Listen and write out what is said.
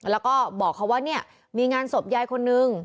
แล้วก็บอกเขาว่าเนี่ยมีงานศพยายคนนึง